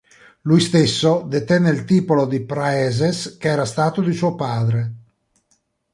Lui stesso detenne il titolo di "praeses", che era stato di suo padre.